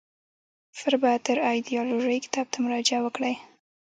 فربه تر از ایدیالوژی کتاب ته مراجعه وکړئ.